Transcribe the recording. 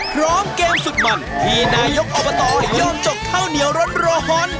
พร้อมเกมสุดมันที่นายกอบตยอมจกข้าวเหนียวร้อน